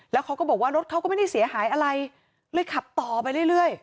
แล้วเขาก็บอกว่ารถเขาก็ไม่ได้เสียหายอะไรเลยขับต่อไปเรื่อย